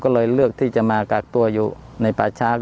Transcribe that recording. ก็เลยเลือกที่จะมากักตัวอยู่ในป่าช้า